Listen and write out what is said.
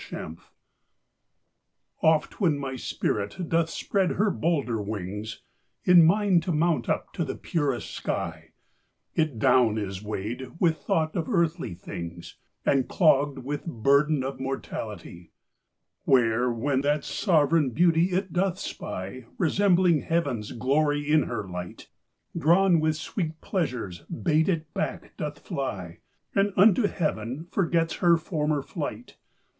LXXII. Oft when my spirit doth spred her bolder winges, In mind to mount up to the purest sky, It down is weighd with thought of earthly things, And clogd with burden of mortality: Where, when that soverayne beauty it doth spy, Resembling heavens glory in her light, Drawn with sweet pleasures bayt it back doth fly, And unto heaven forgets her former flight.